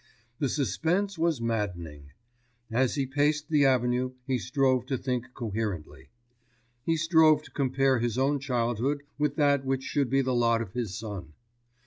The suspense was maddening. As he paced the Avenue he strove to think coherently. He strove to compare his own childhood with that which should be the lot of his son.